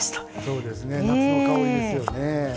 そうですね夏の香りですよね。